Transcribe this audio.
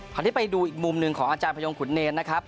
วันนี้ไปดูอีกมุมหนึ่งของอาจารย์พยงขุนเนรนะครับ